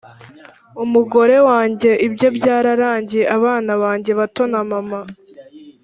Umugore wange ibye byararangiye abana bange bato na mama